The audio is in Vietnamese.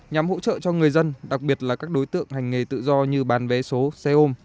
nhằm hỗ trợ cho người dân đặc biệt là các đối tượng hành nghề tự do như bán vé số xe ôm